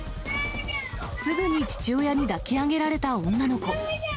すぐに父親に抱き上げられた女の子。